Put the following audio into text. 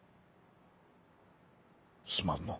すまんの。